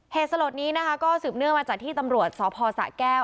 สลดนี้นะคะก็สืบเนื่องมาจากที่ตำรวจสพสะแก้ว